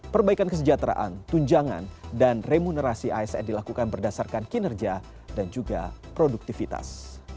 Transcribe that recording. perbaikan kesejahteraan tunjangan dan remunerasi asn dilakukan berdasarkan kinerja dan juga produktivitas